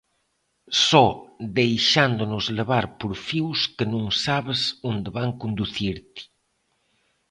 Só deixándonos levar por fíos que non sabes onde van conducirte.